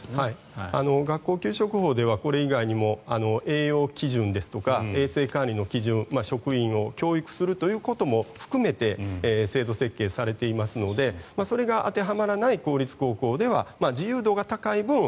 学校給食法ではこれ以外にも栄養基準ですとか衛生管理の基準職員を教育するということも含めて制度設計されていますのでそれが当てはまらない公立高校では自由度が高い分